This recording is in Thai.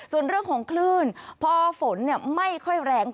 ส่วนเรื่องของคลื่นพอฝนไม่ค่อยแรง